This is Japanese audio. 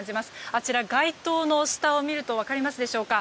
あちら、街灯の下を見ると分かりますでしょうか。